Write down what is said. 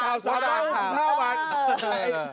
ว่าจากอ่านการ